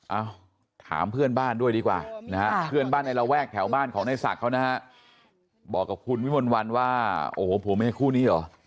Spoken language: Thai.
เอ้าถามเพื่อนบ้านด้วยดีกว่านะฮะเพื่อนบ้านในระแวกแถวบ้านของในศักดิ์เขานะฮะบอกกับคุณวิมลวันว่าโอ้โหผัวเมียคู่นี้เหรอ